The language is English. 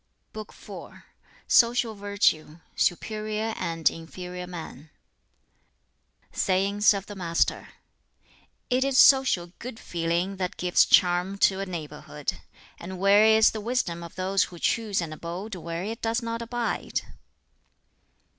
] BOOK IV Social Virtue Superior and Inferior Man Sayings of the Master: "It is social good feeling that gives charm to a neighborhood. And where is the wisdom of those who choose an abode where it does not abide?